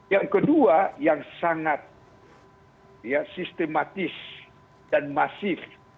yang kedua yang sangat sistematis dan masif